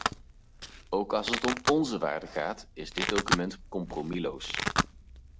Ook als het om onze waarden gaat is dit document compromisloos.